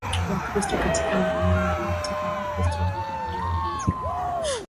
Kikristo katika maeneo waliyoyateka Wakristo waliahidiwa ulinzi wa